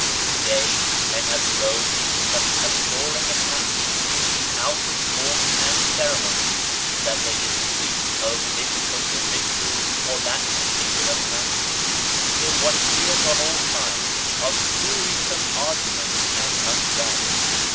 To day,, men have grown into such adoring attach ment to outward forms and ceremonies that they dis pute over this point of ritual or that particular practice, until one hears on all sides of wearisome arguments and unrest.